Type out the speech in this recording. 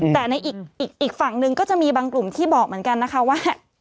แต่ในอีกฝั่งหนึ่งก็จะมีบางกลุ่มที่บอกเหมือนกันนะคะว่า